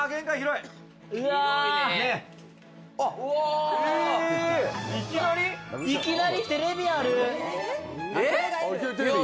いきなりテレビある。